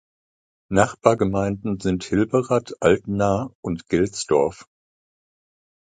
Nachbargemeinden sind: Hilberath, Altenahr und Gelsdorf.